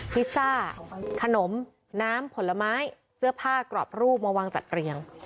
พิซซ่าขนมน้ำผลไม้เสื้อผ้ากรอบรูปมาวางจัดเรียง